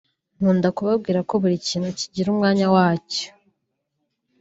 Nkunda kubabwira ko buri kintu kigira umwanya wacyo